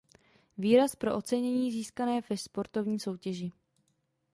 Výraz pro ocenění získané ve sportovní soutěži.